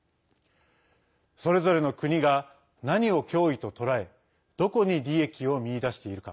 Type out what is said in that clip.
それぞれの国が、何を脅威と捉えどこに利益を見いだしているか。